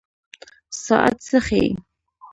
ساعت څه ښيي؟